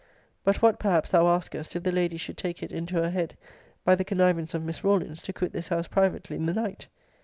But what, perhaps, thou askest, if the lady should take it into her head, by the connivance of Miss Rawlins, to quit this house privately in the night?